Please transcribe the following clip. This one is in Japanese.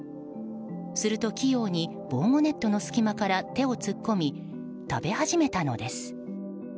すると器用に防護ネットの隙間から手を突っ込み食べ始めたのです。